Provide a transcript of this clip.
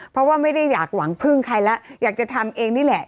เพราะว่าไม่ได้อยากหวังพึ่งใครแล้วอยากจะทำเองนี่แหละ